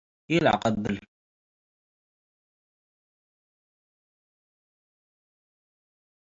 ኢለዐቀብል።